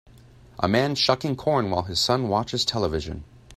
A man shucking corn while his son watches television.